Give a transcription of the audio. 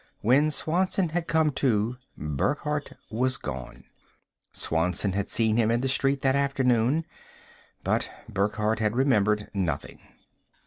When Swanson had come to, Burckhardt was gone. Swanson had seen him in the street that afternoon, but Burckhardt had remembered nothing.